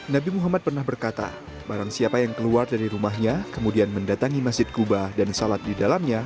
nabi muhammad pernah berkata barang siapa yang keluar dari rumahnya kemudian mendatangi masjid kuba dan salat di dalamnya